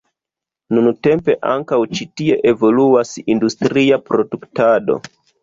Nuntempe ankaŭ ĉi tie evoluas industria produktado.